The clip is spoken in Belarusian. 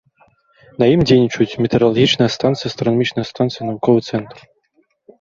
На ім дзейнічаюць метэаралагічная станцыя, астранамічная станцыя, навуковы цэнтр.